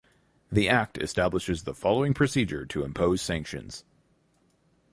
The act establishes the following procedure to impose sanctions.